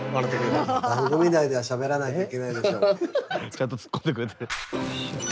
ちゃんとツッコんでくれてる。